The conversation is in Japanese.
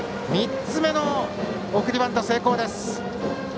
３つ目の送りバント成功です。